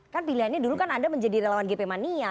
kan pilihannya dulu kan anda menjadi relawan gp mania